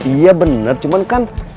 iya bener cuman kan